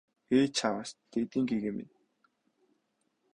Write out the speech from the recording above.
Ээ чааваас дээдийн гэгээнтэн минь!